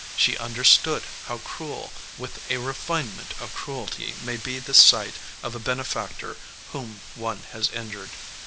She understood how cruel with a refinement of cruelty may be the sight of a benefactor whom one has injured.